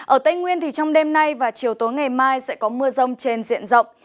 ở tây nguyên thì trong đêm nay và chiều tối ngày mai sẽ có mưa rông trên diện rộng